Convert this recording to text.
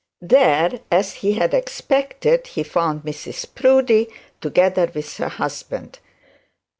There, as had expected, he found Mrs Proudie, together with her husband.